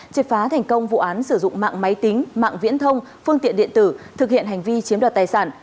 triệt phá thành công vụ án sử dụng mạng máy tính mạng viễn thông phương tiện điện tử thực hiện hành vi chiếm đoạt tài sản